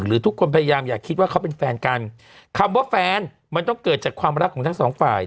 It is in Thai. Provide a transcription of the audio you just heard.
ทุกคนพยายามอย่าคิดว่าเขาเป็นแฟนกันคำว่าแฟนมันต้องเกิดจากความรักของทั้งสองฝ่าย